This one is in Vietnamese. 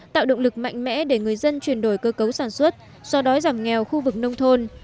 tạo động lực mạnh mẽ để người dân chuyển đổi cơ cấu sản xuất so đói giảm nghèo khu vực nông thôn